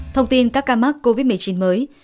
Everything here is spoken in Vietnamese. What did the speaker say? thông tin các ca mắc covid một mươi chín mới